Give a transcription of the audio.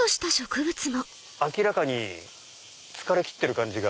明らかに疲れきってる感じが。